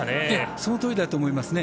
そのとおりだと思いますね。